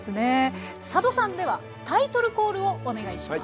佐渡さんではタイトルコールをお願いします。